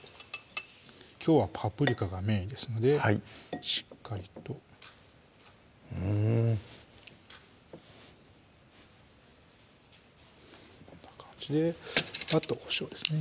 きょうはパプリカがメインですのでしっかりとうんこんな感じであとこしょうですね